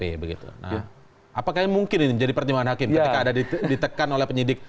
apakah ini mungkin menjadi pertimbangan hakim